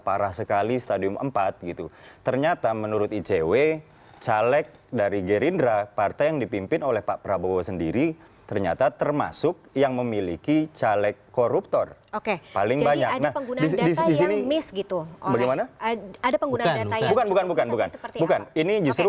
partai yang mayoritas adalah